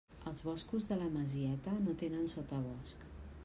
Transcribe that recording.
Els boscos de la Masieta no tenen sotabosc.